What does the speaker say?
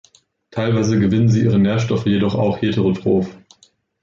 Teilweise gewinnen sie ihre Nährstoffe jedoch auch heterotroph.